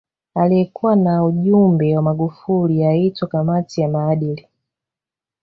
Aliyekuwa na ujumbe wa Magufuli aitwa kamati ya maadili